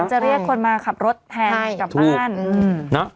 จะเรียกคนมาขับรถแทนกลับบ้าน